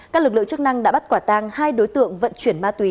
các lực lượng chức năng đã bắt quả tang hai đối tượng vận chuyển ma túy